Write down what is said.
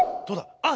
あっ！